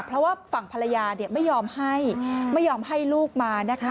เพราะว่าฝั่งภรรยาไม่ยอมให้ไม่ยอมให้ลูกมานะคะ